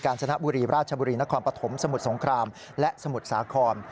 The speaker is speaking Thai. ชนะบุรีราชบุรีนครปฐมสมุทรสงครามและสมุทรสาคร